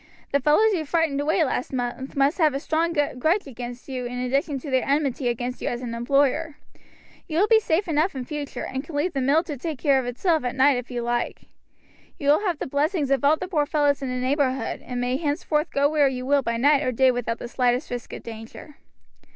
The fellows you frightened away last month must have a strong grudge against you in addition to their enmity against you as an employer. You will be safe enough in future, and can leave the mill to take care of itself at night if you like. You will have the blessings of all the poor fellows in the neighborhood, and may henceforth go where you will by night or day without the slightest risk of danger."